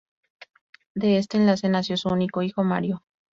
De este enlace nació su único hijo, Mario.